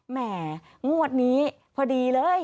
แหมงวดนี้พอดีเลย